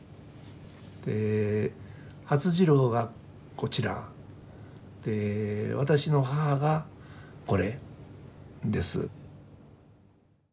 發次郎がこちらで私の母がこれです。